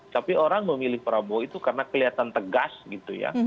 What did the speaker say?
tapi orang memilih prabowo itu karena kelihatan tegas gitu ya